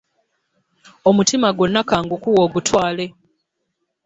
Omutima gwonna ka ngukuwe ogutwale.